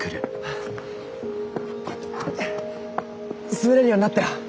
滑れるようになったよ。